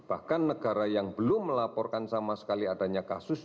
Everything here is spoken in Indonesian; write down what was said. bahkan negara yang belum melaporkan sama sekali adanya kasus